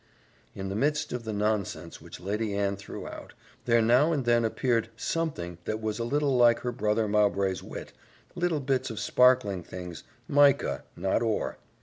In the midst of the nonsense which Lady Anne threw out, there now and then appeared something that was a little like her brother Mowbray's wit little bits of sparkling things, mica, not ore.